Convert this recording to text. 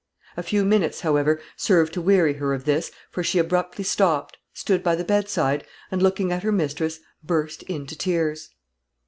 A few minutes, however, served to weary her of this, for she abruptly stopped, stood by the bedside, and, looking at her mistress, burst into tears.